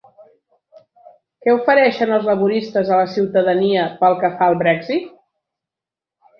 Què ofereixen els laboristes a la ciutadania pel que fa al Brexit?